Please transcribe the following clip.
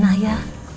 mak ke rumah